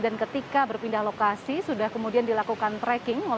dan ketika berpindah lokasi sudah kemudian dilakukan tracking